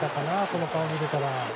この顔を見ていたら。